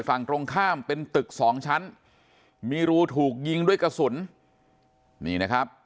ฝั่งตรงข้ามเป็นตึกสองชั้นมีรูถูกยิงด้วยกระสุนนี่นะครับ